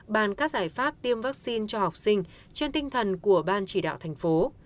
bàn các giải pháp tiêm vaccine cho học sinh trên tinh thần của ban chỉ đạo thành phố